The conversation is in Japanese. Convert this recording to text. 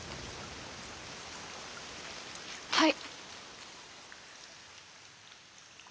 はい。